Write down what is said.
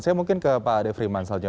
saya mungkin ke pak ade friman selanjutnya